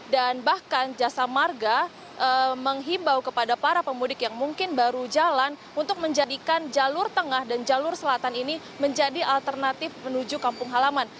dan bahkan jasa marga menghibau kepada para pemudik yang mungkin baru jalan untuk menjadikan jalur tengah dan jalur selatan ini menjadi alternatif menuju kampung halaman